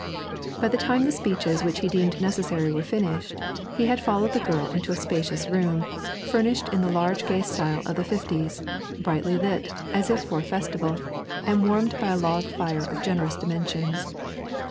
By the time the speeches which he deemed necessary were finished, he had followed the girl into a spacious room, furnished in the large gay style of the fifties, brilliantly lit, as if for a festival, and warmed by a log fire of generous dimensions.